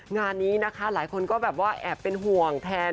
งานนี้หลายคนก็แอบเป็นห่วง